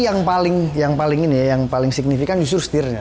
yang paling ini ya yang paling signifikan justru setirnya